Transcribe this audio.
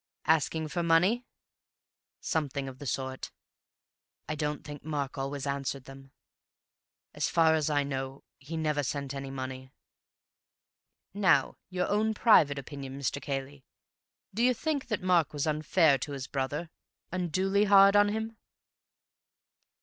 "Asking for money?" "Something of the sort. I don't think Mark always answered them. As far as I know, he never sent any money." "Now your own private opinion, Mr. Cayley. Do you think that Mark was unfair to his brother? Unduly hard on him?"